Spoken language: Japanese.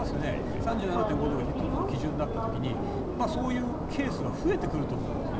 ３７．５度が基準となった時にそういうケースが増えてくると思うです。